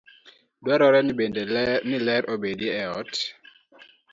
Dwarore bende ni ler obedie ei ot.